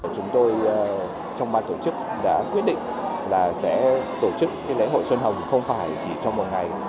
chúng tôi trong ban tổ chức đã quyết định là sẽ tổ chức lễ hội xuân hồng không phải chỉ trong một ngày